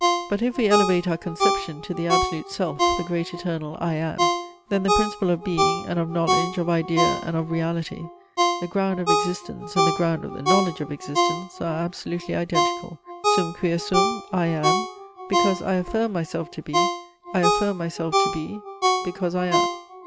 But if we elevate our conception to the absolute self, the great eternal I AM, then the principle of being, and of knowledge, of idea, and of reality; the ground of existence, and the ground of the knowledge of existence, are absolutely identical, Sum quia sum ; I am, because I affirm myself to be; I affirm myself to be, because I am.